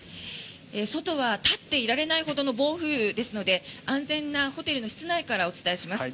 外は立っていられないほどの暴風雨ですので安全なホテルの室内からお伝えします。